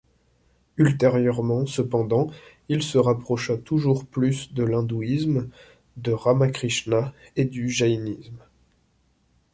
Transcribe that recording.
Ultérieurement cependant il se rapprocha toujours plus de l'hindouisme, de Râmakrishna et du Jainisme.